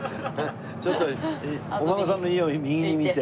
ちょっとお孫さんの家を右に見て。